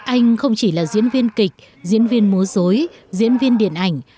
anh không chỉ là diễn viên kịch diễn viên múa dối diễn viên điện ảnh